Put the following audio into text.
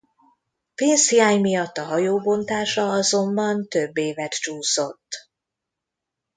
Pénzhiány miatt a hajó bontása azonban több évet csúszott.